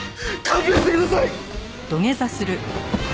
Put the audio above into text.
勘弁してください！